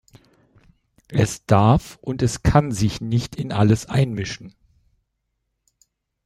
Es darf und es kann sich nicht in alles einmischen.